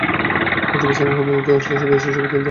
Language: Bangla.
একটু বিশ্রাম নিতে বসলেও সবাই এসে ছবি তুলতে, কথা বলতে চাইছিল।